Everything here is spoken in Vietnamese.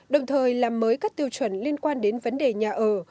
đồng thời làm mới các tiêu chuẩn liên quan đến vấn đề nhà ở